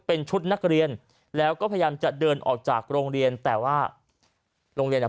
เป็นชุดนักเรียนแล้วก็พยายามจะเดินออกจากโรงเรียนแต่ว่าโรงเรียนอ่ะ